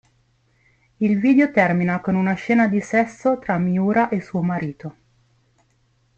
Il video termina con una scena di sesso tra Miura e suo marito.